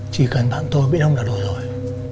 chỉ cần bạn tôi biết ông là đồ rồi